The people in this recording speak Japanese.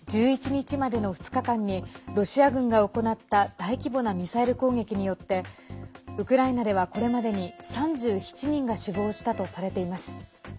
１１日までの２日間にロシア軍が行った大規模なミサイル攻撃によってウクライナでは、これまでに３７人が死亡したとされています。